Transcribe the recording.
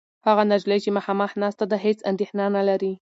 هغه نجلۍ چې مخامخ ناسته ده، هېڅ اندېښنه نهلري.